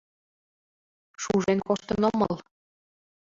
— Шужен коштын омыл...